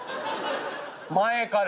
「前から！